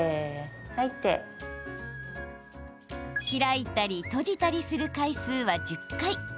開いたり閉じたりする回数は１０回。